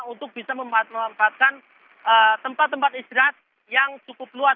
untuk bisa memanfaatkan tempat tempat istirahat yang cukup luas